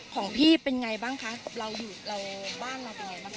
ของพี่เป็นไงบ้างคะบ้านเราเป็นไงบ้างคะ